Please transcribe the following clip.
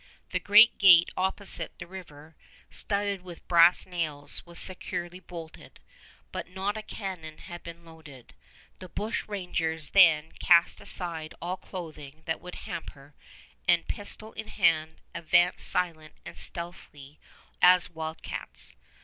The great gate opposite the river, studded with brass nails, was securely bolted, but not a cannon had been loaded. The bushrangers then cast aside all clothing that would hamper, and, pistol in hand, advanced silent and stealthy as wild cats.